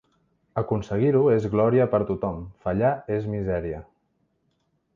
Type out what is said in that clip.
Aconseguir-ho és glòria per tothom, fallar és misèria.